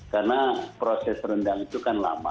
karena proses rendang itu kan lama